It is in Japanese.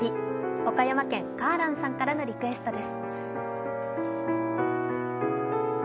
岡山県、かーらんさんからのリクエストです。